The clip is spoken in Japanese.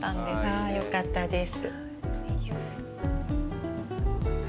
ああ、よかったです。